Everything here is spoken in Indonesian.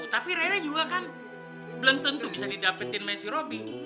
tapi rere juga kan belum tentu bisa didapetin sama si robi